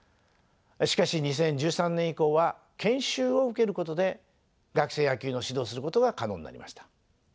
しかし２０１３年以降は研修を受けることで学生野球の指導をすることが可能になりました。